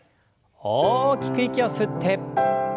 大きく息を吸って。